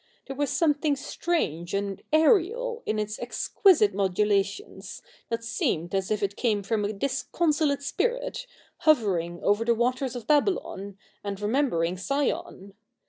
There was something strange and aerial in its exquisite modulations, that seemed as if it came from a disconsolate spirit, hovering over the waters of Babylon, and remembering Sion.